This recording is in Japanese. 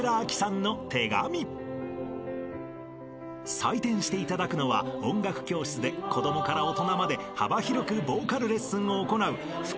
［採点していただくのは音楽教室で子供から大人まで幅広くボーカルレッスンを行う］